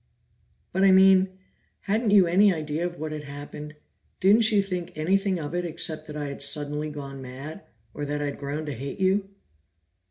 "But I mean hadn't you any idea of what had happened? Didn't you think anything of it except that I had suddenly gone mad? Or that I'd grown to hate you?"